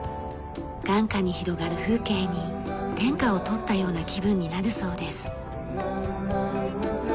眼下に広がる風景に天下を取ったような気分になるそうです。